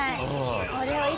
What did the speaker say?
はい。